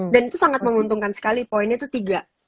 dan itu sangat menguntungkan sekali poinnya itu tiga